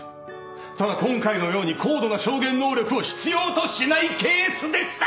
ただ今回のように高度な証言能力を必要としないケースでした！